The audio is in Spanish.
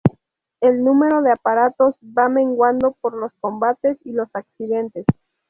El número de aparatos va menguando por los combates y los accidentes.